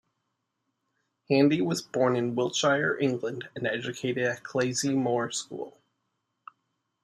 Handy was born in Wiltshire, England and educated at Clayesmore School.